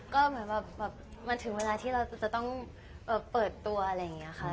ก็เหมือนแบบมันถึงเวลาที่เราจะต้องเปิดตัวอะไรอย่างนี้ค่ะ